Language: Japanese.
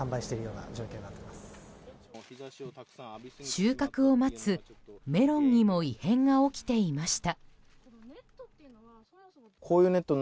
収穫を待つメロンにも異変が起きていました。